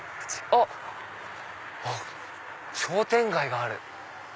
あっ商店街がある。